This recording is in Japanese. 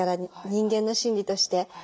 人間の心理として。